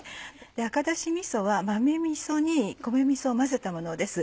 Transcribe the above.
赤だしみそは豆みそに米みそを混ぜたものです。